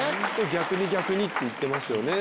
逆に、逆にっていってますよね。